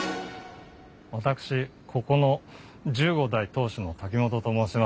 私ここの十五代当主の瀧本と申します。